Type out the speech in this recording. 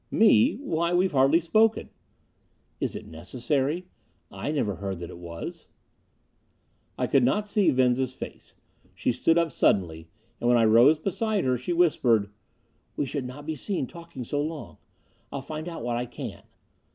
"Me? Why, we've hardly spoken!" "Is it necessary? I never heard that it was." I could not see Venza's face; she stood up suddenly. And when I rose beside her, she whispered, "We should not be seen talking so long. I'll find out what I can."